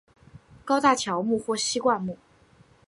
高大乔木或稀灌木。